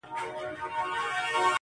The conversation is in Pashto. د زړه بوټى مي دی شناخته د قبرونو؛